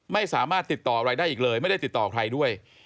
ไม่สามารถติดต่ออะไรได้อีกเลยไม่ได้ติดต่อใครด้วย